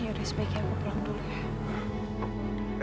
yaudah sebaiknya aku pulang dulu ya